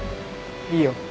いいよ。